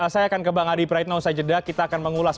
saya akan ke bang adi praitno saya jeda kita akan mengulas